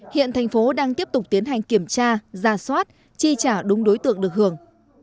hiện thành phố đang tiếp tục tiến hành kiểm tra ra soát chi trả đúng đối tượng được hưởng